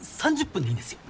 ３０分でいいんですよ。